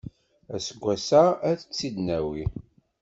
Aseggas-a ad tt-id-nawi.